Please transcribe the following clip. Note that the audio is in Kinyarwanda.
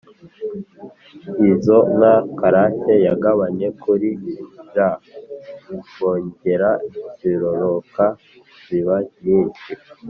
izo nka karake yagabanye kuri r wogera zirororoka ziba nyinshi